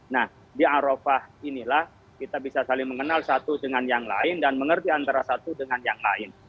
nah di arafah inilah kita bisa saling mengenal satu dengan yang lain dan mengerti antara satu dengan yang lain